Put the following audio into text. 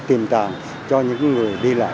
tìm tàn cho những người đi lại